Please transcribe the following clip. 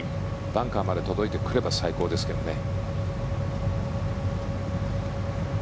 バンカーまで届いてくれば最高ですけどね。